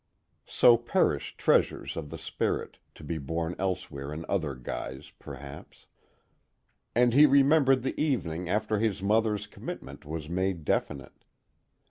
So perish treasures of the spirit, to be born elsewhere in other guise, perhaps. And he remembered the evening after his mother's commitment was made definite.